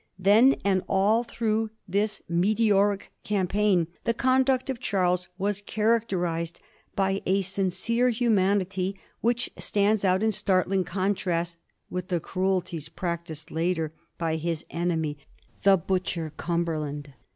Then and all through this meteoric campaign the conduct of Charles was character ized by a sincere humanity, which stands out in startling contrast with the cruelties practised later by his enemy, the " butcher Cumberland."